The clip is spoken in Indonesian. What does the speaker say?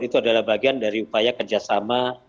itu adalah bagian dari upaya kerjasama